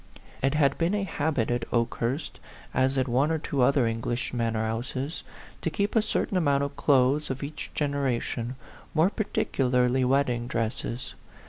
It had been a habit at Okehurst, as at one or two other old English manor houses, to keep a certain amount of the clothes of each gen eration, more particularly wedding dresses.